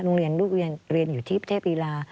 โรงเรียนลูกเรียนอยู่ที่ประเทศลีลา